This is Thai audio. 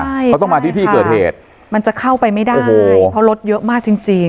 ใช่เขาต้องมาที่ที่เกิดเหตุมันจะเข้าไปไม่ได้เพราะรถเยอะมากจริงจริง